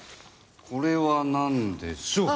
これはなんでしょう！